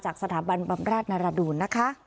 จากสถาบันบำราชนาราดูลนะคะ